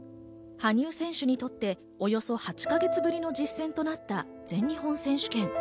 羽生選手にとっておよそ８か月ぶりの実戦となった全日本選手権。